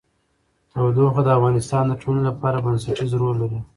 تودوخه د افغانستان د ټولنې لپاره بنسټيز رول لري.